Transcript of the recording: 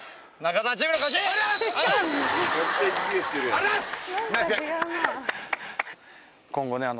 ありがとうございます！